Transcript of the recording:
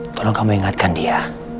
tolong kamu ingatkan dia